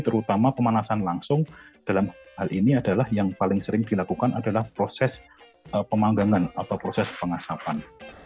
terutama pemanasan langsung dalam hal ini adalah yang paling sering dilakukan adalah proses pemanggangan atau proses pengasapan